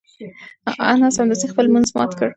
انا سمدستي خپل لمونځ مات کړ.